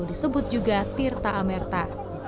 disebut juga tirta amerta